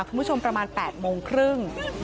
คุณผู้ชมประมาณ๘โมงครึ่ง